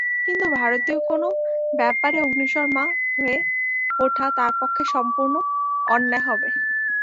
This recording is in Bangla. কিন্তু ভারতীয় কোন ব্যাপারে অগ্নিশর্মা হয়ে ওঠা তাঁর পক্ষে সম্পূর্ণ অন্যায় হবে।